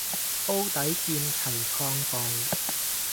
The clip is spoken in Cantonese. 煲底見齊抗暴